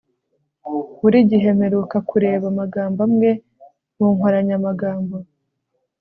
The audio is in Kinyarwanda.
buri gihe mperuka kureba amagambo amwe mu nkoranyamagambo